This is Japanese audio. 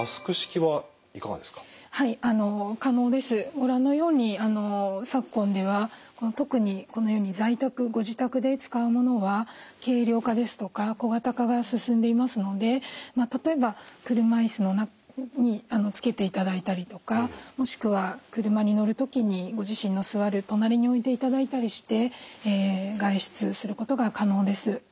ご覧のように昨今では特にこのように在宅・ご自宅で使うものは軽量化ですとか小型化が進んでいますので例えば車椅子につけていただいたりとかもしくは車に乗る時にご自身の座る隣に置いていただいたりして外出することが可能です。